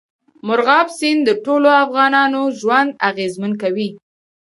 مورغاب سیند د ټولو افغانانو ژوند اغېزمن کوي.